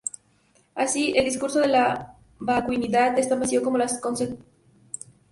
Así, el discurso de la vacuidad es tan vacío como las cosas mismas.